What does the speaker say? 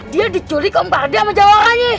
dia diculik kompardia sama jawabannya